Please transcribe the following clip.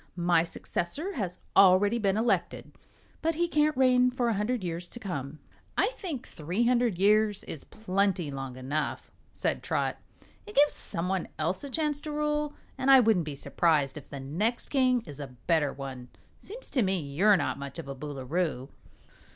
My successor has already been elected, but he can't reign for a hundred years to come." "I think three hundred years is plenty long enough," said Trot. "It gives some one else a chance to rule, an' I wouldn't be s'prised if the next king is a better one. Seems to me you're not much of a Boolooroo."